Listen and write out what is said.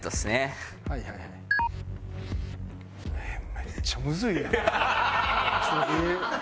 めっちゃむずいやん。